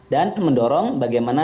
dan mendorong bagaimana